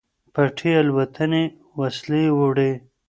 پټې الوتنې وسلې وړي.